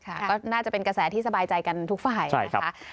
ก็น่าจะเป็นกระแสที่สบายใจกันทุกฝ่ายนะคะ